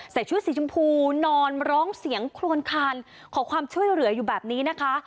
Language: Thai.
ชุดสีชมพูนอนร้องเสียงโครวนคานขอความช่วยเหลืออยู่แบบนี้นะคะ